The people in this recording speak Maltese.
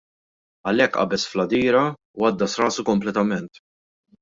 Għalhekk qabeż fl-għadira u għaddas rasu kompletament.